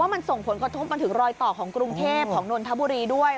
มันส่งผลกระทบมาถึงรอยต่อของกรุงเทพของนนทบุรีด้วย